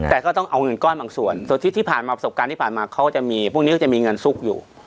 แต่ก็ต้องเอาเงินก้อนบางส่วนส่วนที่ผ่านมาประสบการณ์ที่ผ่านมาเขาจะมีพวกนี้ก็จะมีเงินซุกอยู่